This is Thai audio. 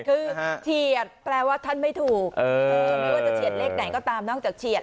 คือเฉียดแปลว่าท่านไม่ถูกไม่ว่าจะเฉียดเลขไหนก็ตามนอกจากเฉียด